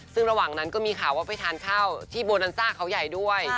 ซึ่งระหว่างนั้นก็มีข่าวว่าไปทานข้าวที่โบนันซ่าเขาใหญ่ด้วย